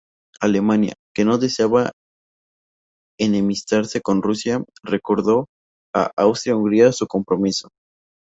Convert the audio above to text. Alemania, que no deseaba enemistarse con Rusia, recordó a Austria-Hungría su compromiso.